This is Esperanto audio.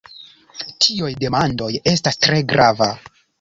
Tioj demandoj estas tre grava!